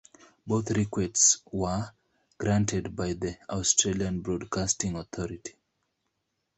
Both requests were granted by the Australian Broadcasting Authority.